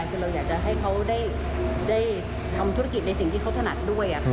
คือเราอยากจะให้เขาได้ทำธุรกิจในสิ่งที่เขาถนัดด้วย